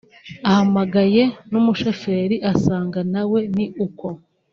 ahamagaye n’umushoferi asanga na we ni uko